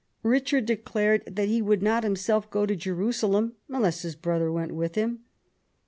Eichard declared that he would not himself go to Jerusalem unless his brother went with him.